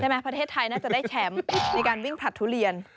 ประเทศไทยน่าจะได้แชมป์ในการวิ่งผลัดทุเรียน